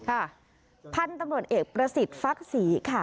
ค่ะพันธุ์ตำรวจเอกประสิทธิ์ฟักศรีค่ะ